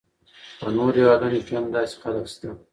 په نورو هیوادونو کې هم داسې خلک شته.